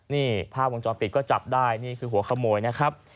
นี่ภาพวงจรปิดก็จับได้นี่คือหัวขโมยนะครับ